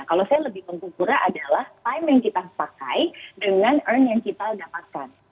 kalau saya lebih mengukurnya adalah time yang kita pakai dengan earn yang kita dapatkan